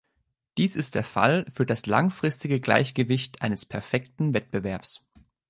Dies ist der Fall für das langfristige Gleichgewicht eines perfekten Wettbewerbs.